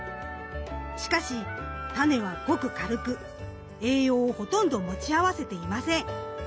しかし種はごく軽く栄養をほとんど持ち合わせていません。